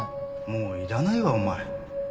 もういらないわお前